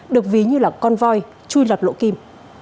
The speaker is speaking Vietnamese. được ví như là con voi chui lặp lỗ kim